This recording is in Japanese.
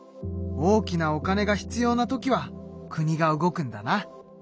大きなお金が必要な時は国が動くんだな。